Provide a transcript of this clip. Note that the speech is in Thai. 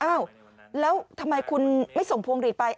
อ้าวแล้วทำไมคุณไม่ส่งพวงหลีดไป